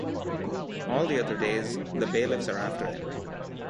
All the other days the bailiffs are after him.